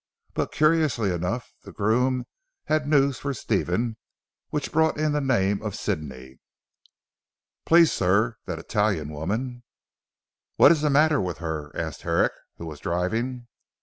But curiously enough the groom had news for Stephen, which brought in the name of Sidney. "Please sir, that Italian woman " "What's the matter with her?" asked Herrick who was driving.